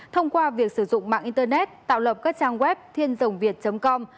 thông qua việc sử dụng mạng internet tạo lập các trang web thiêndòngviet com